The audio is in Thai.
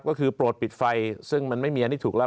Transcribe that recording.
ก็คือโปรดปิดไฟซึ่งมันไม่มีอันนี้ถูกแล้ว